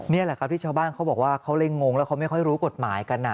นี่แหละครับที่ชาวบ้านเขาบอกว่าเขาเลยงงแล้วเขาไม่ค่อยรู้กฎหมายกัน